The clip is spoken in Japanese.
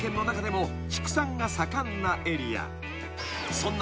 ［そんな］